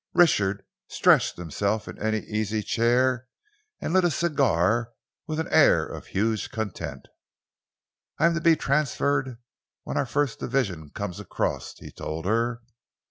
Richard stretched himself in any easy chair and lit a cigar with an air of huge content. "I am to be transferred when our first division comes across," he told her.